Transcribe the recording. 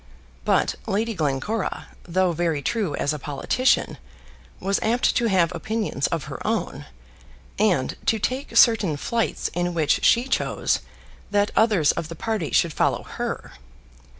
But Lady Glencora, though very true as a politician, was apt to have opinions of her own, and to take certain flights in which she chose that others of the party should follow her.